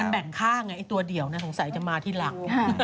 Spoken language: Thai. มันแบ่งข้างไอ้ตัวเดี่ยวเนี่ยสงสัยจะมาทีหลัง